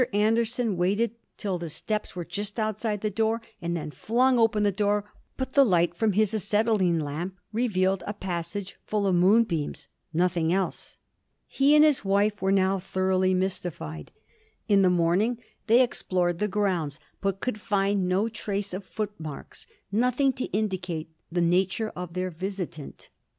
Anderson waited till the steps were just outside the room and then flung open the door, but the light from his acetylene lamp revealed a passage full of moonbeams nothing else. He and his wife were now thoroughly mystified. In the morning they explored the grounds, but could find no trace of footmarks, nothing to indicate the nature of their visitant.